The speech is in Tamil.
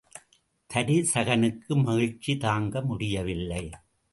தருசகனுக்கு மகிழ்ச்சி தாங்க முடியவில்லை.